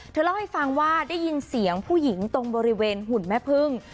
เธอเล่าให้ฟังว่าได้ยินเสียงผู้หญิงตรงบริเวณหุ่นแม่พึ่ง